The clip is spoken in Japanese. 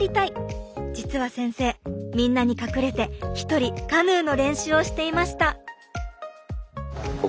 実は先生みんなに隠れて一人カヌーの練習をしていました。